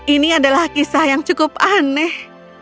ini adalah kisah yang cukup aneh